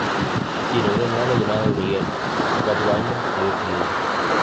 Tiene un hermano llamado Miguel, cuatro años mayor que ella.